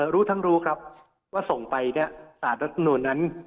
รู้ทั้งรู้ครับว่าส่งไปศาสตร์รัฐนวณนั้น